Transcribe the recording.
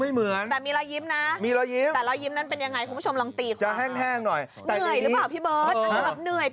เหนื่อยต่อคำถามสื่อ